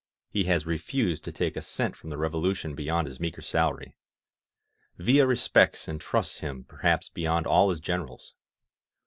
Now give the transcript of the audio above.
He has refused to take a cent from the Revolution beyond his meager salary. Villa respects and trusts him perhaps beyond all his Generals.